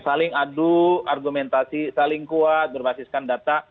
saling adu argumentasi saling kuat berbasiskan data